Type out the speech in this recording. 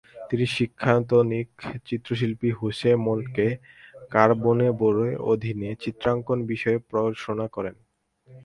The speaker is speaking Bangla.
তিনি শিক্ষায়তনিক চিত্রশিল্পী হোসে মোরেনো কারবোনেরোর অধীনে চিত্রাঙ্কন বিষয়ে পড়াশোনা করেন।